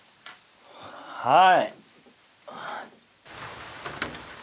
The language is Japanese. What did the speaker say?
はい。